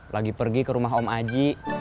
lagi pergi ke rumah om aji